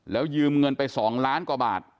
แล้วยืมเงินไป๒ล้านกว่าบาท